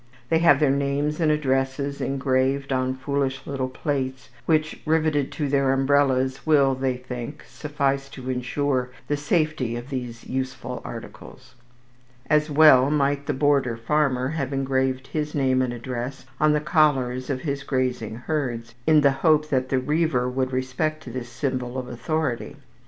They have their names and addresses engraved on foolish little plates, which, riveted to their umbrellas, will, they think, suffice to insure the safety of these useful articles. As well might the border farmer have engraved his name and address on the collars of his grazing herds, in the hope that the riever would respect this symbol of authority.